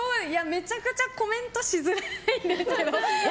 めちゃくちゃコメントしづらいんですけど。